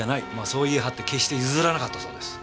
そう言い張って決して譲らなかったそうです。